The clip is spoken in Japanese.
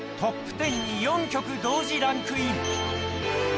ＴＯＰ１０に４曲同時ランクイン！